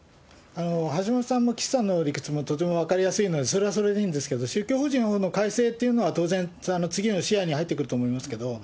橋下さんも岸さんの理屈もとても分かりやすいので、それはそれでいいんですけど、宗教法人法の改正っていうのは、当然、次の視野に入ってくると思いますけれども。